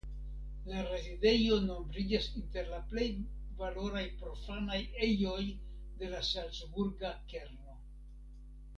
La rezidejo nombriĝas inter la plej valoraj profanaj ejoj de la salcburga kerno.